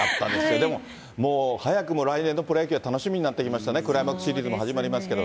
でも、早くも来年のプロ野球は楽しみになってきましたね、クライマックスシリーズも始まりますけ